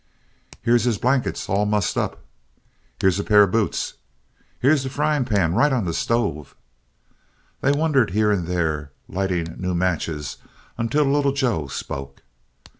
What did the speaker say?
"Here's his blankets. All mussed up." "Here's a pair of boots." "Here's the frying pan right on the stove." They wandered here and there, lighting new matches until Little Joe spoke.